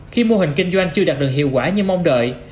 khi mô hình kinh doanh chưa đạt được hiệu quả như mong đợi